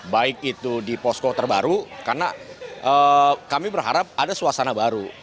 baik itu di posko terbaru karena kami berharap ada suasana baru